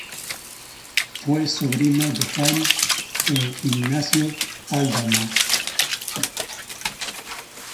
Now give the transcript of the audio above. Fue sobrino de Juan e Ignacio Aldama.